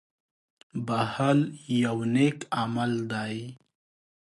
• بښل یو نېک عمل دی.